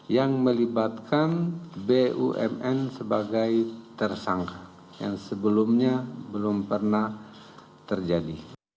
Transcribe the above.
yang melibatkan bumn sebagai tersangka yang sebelumnya belum pernah terjadi